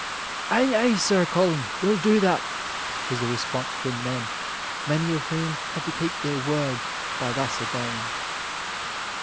"Ay, ay, Sir Colin! we'll do that!" was the response from men, many of whom had to keep their word by thus obeying.